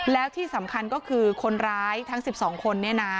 แล้วที่สำคัญก็คือคนร้ายทั้ง๑๒คนเนี่ยนะ